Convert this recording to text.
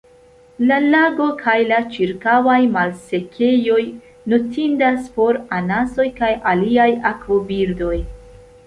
La lago kaj la ĉirkaŭaj malsekejoj notindas por anasoj kaj aliaj akvobirdoj.